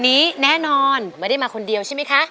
นี้แน่นอนไม่ได้มาคนเดียวใช่ไหมคะ